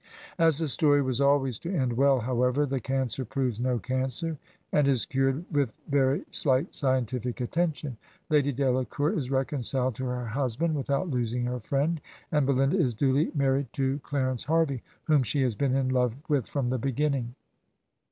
As the story was always to end well, however, the cancer proves no cancer, and is cured with very slight scientific attention; Lady Delacour is reconciled to her husband without losing her friend, and Belinda is diily married 33 Digitized by Google gie _ HEROINES OF FICTION to Claraice Harvey, whom she has been in love with from the beginning.